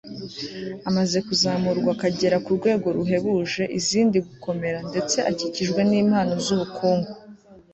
amaze kuzamurwa akagera ku rwego ruhebuje izindi gukomera ndetse akikijwe n'impano z'ubukungu